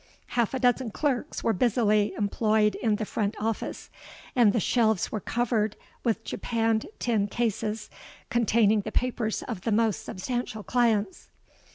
Half a dozen clerks were busily employed in the front office; and the shelves were covered with japanned tin cases, containing the papers of the most substantial clients.